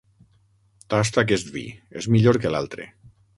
Tasta aquest vi: és millor que l'altre.